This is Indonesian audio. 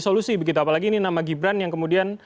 solusi begitu apalagi ini nama gibran yang kemudian